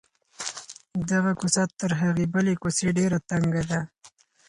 دغه کوڅه تر هغې بلې کوڅې ډېره تنګه ده.